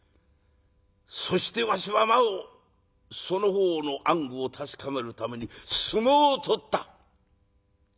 そしてわしはなおその方の暗愚を確かめるために相撲を取った。